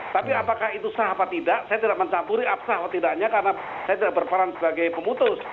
tapi apakah itu sah apa tidak saya tidak mencampuri sah atau tidaknya karena saya tidak berperan sebagai pemutus